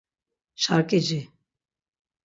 Şarkici.